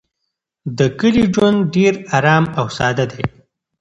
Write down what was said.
د کلي ژوند ډېر ارام او ساده دی.